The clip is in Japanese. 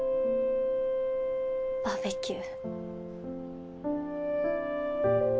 バーベキュー。